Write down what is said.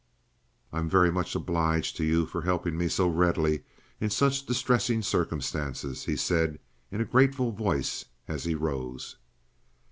"I'm very much obliged to you for helping me so readily in such distressing circumstances," he said in a grateful voice as he rose.